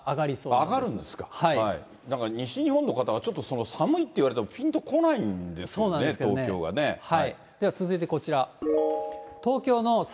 なんか西日本の方は、ちょっとその寒いって言われても、ぴんとこそうなんです。では続いてこちら。